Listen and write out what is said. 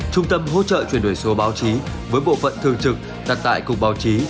trung tâm hỗ trợ chuyển đổi số báo chí với bộ phận thường trực đặt tại cục báo chí